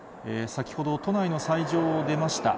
先ほど、都内の斎場を出ました。